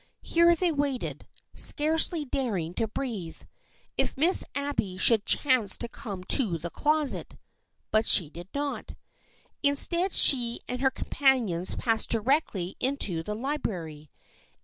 Here they waited, scarcely dar ing to breathe. If Miss Abby should chance to come to the closet ! But she did not. Instead, she and her companions passed directly into the library.